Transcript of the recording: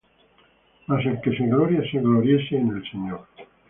Mas el que se gloría, gloríese en el Señor.